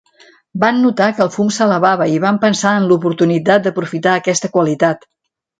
Van notar que el fum s'elevava i van pensar en l'oportunitat d'aprofitar aquesta qualitat.